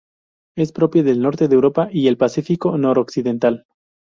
Es propia del norte de Europa y el Pacífico noroccidental.